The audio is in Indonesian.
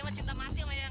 untung mau aman